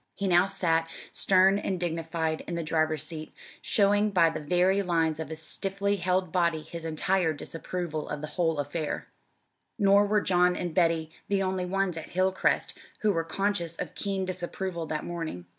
He now sat, stern and dignified, in the driver's seat, showing by the very lines of his stiffly held body his entire disapproval of the whole affair. Nor were John and Betty the only ones at Hilcrest who were conscious of keen disapproval that morning.